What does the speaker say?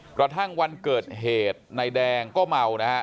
กระทั่งวันเกิดเหตุนายแดงก็เมานะฮะ